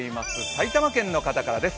埼玉県の方からです。